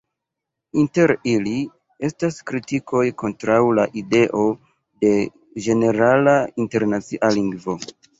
Inter ili, estas kritikoj kontraŭ la ideo de ĝenerala internacia lingvo.